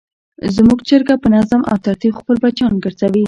زموږ چرګه په نظم او ترتیب خپل بچیان ګرځوي.